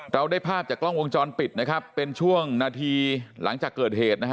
ได้ภาพจากกล้องวงจรปิดนะครับเป็นช่วงนาทีหลังจากเกิดเหตุนะฮะ